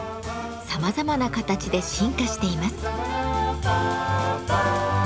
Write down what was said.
さまざまな形で進化しています。